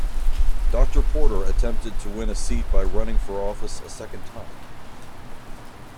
Doctor Porter attempted to win a seat by running for office a second time.